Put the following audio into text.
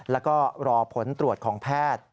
แล้วก็รอผลตรวจของแพทย์